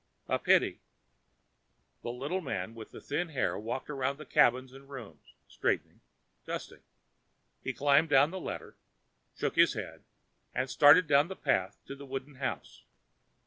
"A pity...." The little man with the thin hair walked about the cabins and rooms, straightening, dusting; he climbed down the ladder, shook his head and started down the path to the wooden house.